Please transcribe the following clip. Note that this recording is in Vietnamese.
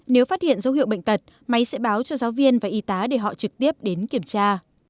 nếu phát hiện dấu hiệu bệnh tật máy sẽ báo cho giáo viên và y tá để họ trực tiếp đến kiểm tra